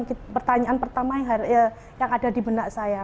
ini pertanyaan pertama yang ada di benak saya